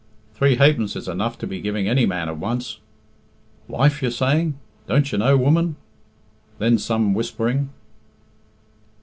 Three ha'pence is enough to be giving any man at once." "Wife, you're saying? Don't you know, woman?" Then some whispering.